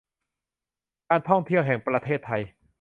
การท่องเที่ยวแห่งประเทศไทย